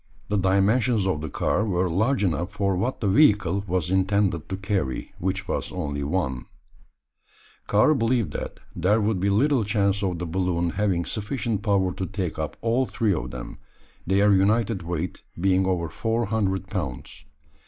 The dimensions of the car were large enough for what the "vehicle" was intended to carry, which was only one. Karl believed that there would be little chance of the balloon having sufficient power to take up all three of them, their united weight being over four hundred pounds.